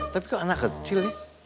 tapi kok anak kecil ya